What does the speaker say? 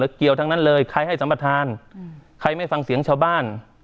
เกี่ยวทั้งนั้นเลยใครให้สัมประธานใครไม่ฟังเสียงชาวบ้าน